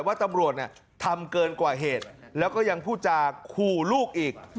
ว่าตำรวจทำเกินกว่าเหตุแล้วก็ยังพูดจาขู่ลูกอีก